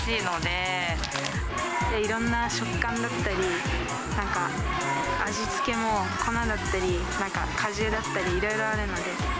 いろんな食感だったり、なんか、味付けも粉だったり、果汁だったり、いろいろあるので。